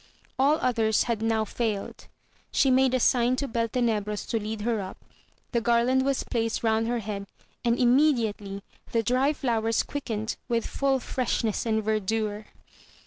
All others had now failed; she made a sign to Beltenebros to lead her up, the garland was placed round her head, and immediately the dry flowers quickened with full freshness and verdure.